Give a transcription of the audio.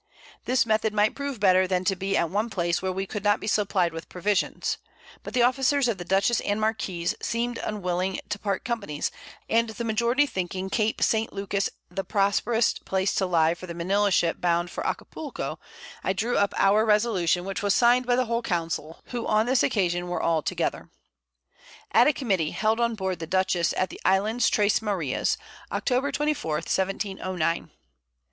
This Method might prove much better than to be at one Place, where we could not be supply'd with Provisions; but the Officers of the Dutchess and Marquiss seeming unwilling to part Companies, and the Majority thinking Cape St. Lucas the properest Place to lie for the Manila Ship bound for Acapulco, I drew up our Resolution, which was signed by the whole Council, who on this Occasion were altogether. At a Committee held on board the Dutchess at the Islands Tres Marias, October 24. 1709. [Sidenote: _Description of Tres Marias.